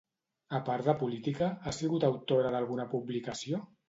A part de política, ha sigut autora d'alguna publicació?